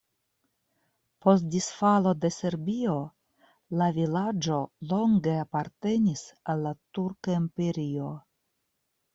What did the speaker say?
Post disfalo de Serbio la vilaĝo longe apartenis al la Turka Imperio.